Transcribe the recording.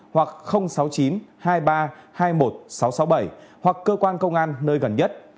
hoặc sáu mươi chín hai mươi ba hai mươi một sáu trăm sáu mươi bảy hoặc cơ quan công an nơi gần nhất